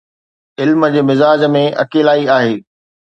علم جي مزاج ۾ اڪيلائي آهي.